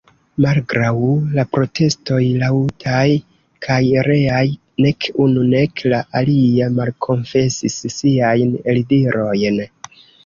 Malgraŭ la protestoj laŭtaj kaj reaj, nek unu nek la alia malkonfesis siajn eldirojn.